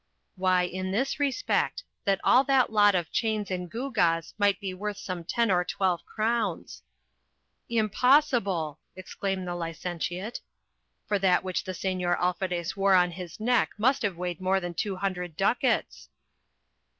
Why, in this respect, that all that lot of chains and gewgaws might be worth some ten or twelve crowns. "Impossible!" exclaimed the licentiate; "for that which the Señor Alferez wore on his neck must have weighed more than two hundred ducats."